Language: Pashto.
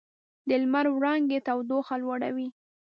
د لمر وړانګې تودوخه لوړوي.